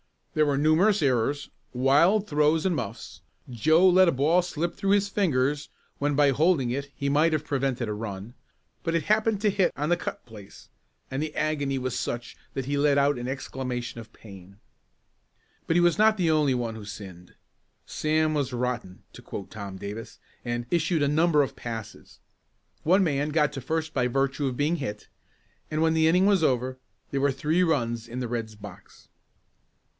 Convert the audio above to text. There were numerous errors, wild throws and muffs. Joe let a ball slip through his fingers when by holding it he might have prevented a run, but it happened to hit on the cut place, and the agony was such that he let out an exclamation of pain. But he was not the only one who sinned. Sam was "rotten," to quote Tom Davis, and "issued a number of passes." One man got to first by virtue of being hit and when the inning was over there were three runs in the Red's box.